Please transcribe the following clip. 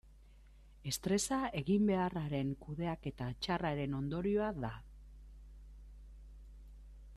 Estresa eginbeharraren kudeaketa txarraren ondorioa da.